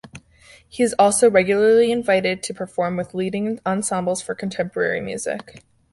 He is also regularly invited to perform with leading ensembles for contemporary music.